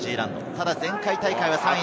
ただ前回大会は３位。